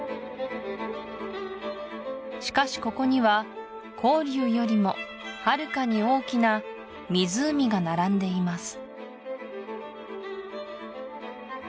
しかしここには黄龍よりもはるかに大きな湖が並んでいます